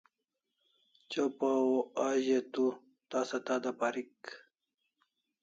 Chopa o a ze tu tasa tada parik